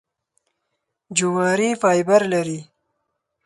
جواري فایبر لري .